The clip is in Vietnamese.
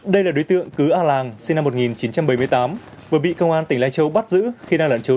đây là đối tượng cứ a làng sinh năm một nghìn chín trăm bảy mươi tám vừa bị công an tỉnh lai châu bắt giữ khi đang lẩn trốn